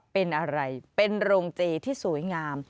เป็นอะไรเป็นโรงเจที่สวยงาม